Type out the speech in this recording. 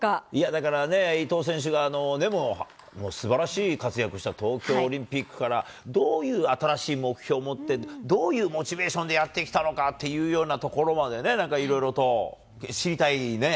だからね、伊藤選手がすばらしい活躍した東京オリンピックから、どういう新しい目標を持って、どういうモチベーションでやってきたのかっていうようなところまでね、なんかいろいろと知りたいね。